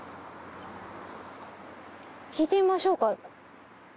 聞いてみましょうか。